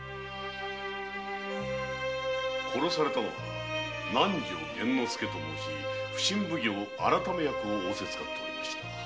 殺されたのは南条幻之介と申し普請奉行改役を仰せつかっておりました。